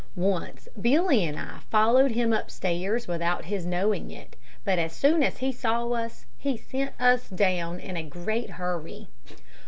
Once Billy and I followed him upstairs without his knowing it, but as soon as he saw us he sent us down in a great hurry.